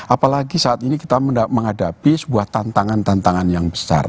apalagi saat ini kita menghadapi sebuah tantangan tantangan yang besar